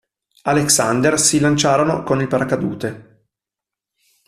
Alexander, si lanciarono con il paracadute.